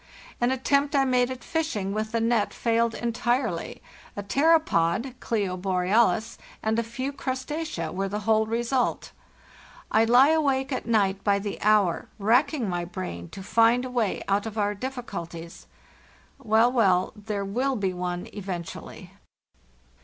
An attempt I made at fishing with the net failed entirely—a pteropod (Clo borealis) and a few crustacea were the whole result. I le awake at night by the hour racking my brain to find a way out of our difficulties. Well, well, there will be one eventually!